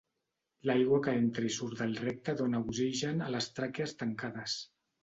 L'aigua que entra i surt del recte dóna oxigen a les tràquees tancades.